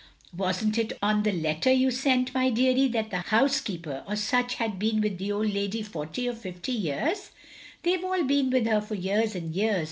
Wasn't it on the letter you sent, my deary, that the hotisekeeper or such had been with the old lady forty or fifty year? " "They have all been with her for years and years.